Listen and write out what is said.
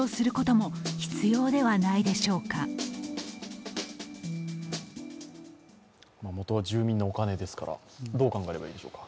もとは住民のお金ですから、どう考えればいいでしょうか？